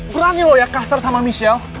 berani lo ya kasar sama michelle